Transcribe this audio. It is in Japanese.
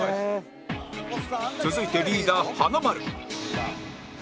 続いてリーダー華丸